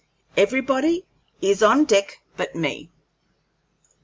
Everybody is on deck but me.